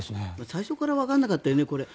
最初からわからなかったよね。